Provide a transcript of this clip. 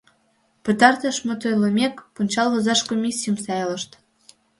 Пытартыш мут ойлымек, пунчал возаш комиссийым сайлышт.